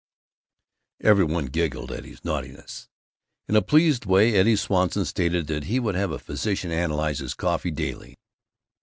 Every one giggled at this naughtiness. In a pleased way Eddie Swanson stated that he would have a physician analyze his coffee daily.